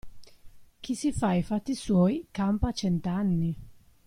Chi si fa i fatti suoi, campa cent'anni.